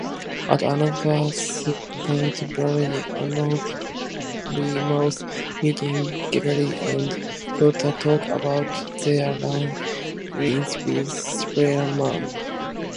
At another Supervillains Anonymous meeting, Grizzly and Looter talk about their run-ins with Spider-Man.